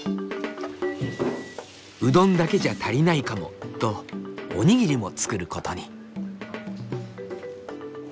「うどんだけじゃ足りないかも」とおにぎりも作ることに。